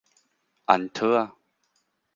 安套仔